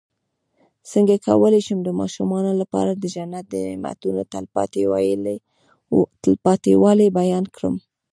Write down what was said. څنګه کولی شم د ماشومانو لپاره د جنت د نعمتو تلپاتې والی بیان کړم